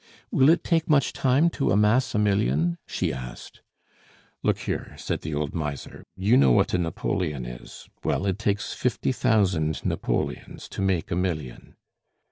"Will it take much time to amass a million?" she asked. "Look here!" said the old miser, "you know what a napoleon is? Well, it takes fifty thousand napoleons to make a million."